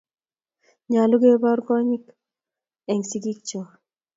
Nyalu keporu konyit eng' sigik chok